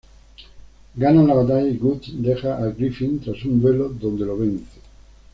Ganan la batalla y Guts deja a Griffith tras un duelo donde lo vence.